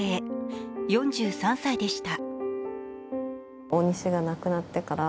４３歳でした。